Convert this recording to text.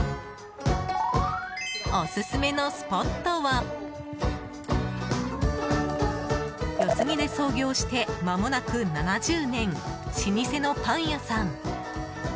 オススメのスポットは四つ木で創業してまもなく７０年老舗のパン屋さん。